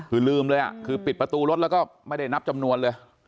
คือลืมเลยคือปิดประตูรถแล้วก็ไม่ได้นับจำนวนเลย